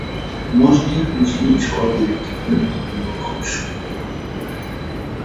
মসজিদ মুসলিম সমাজের একটি গুরুত্বপূর্ণ অংশ।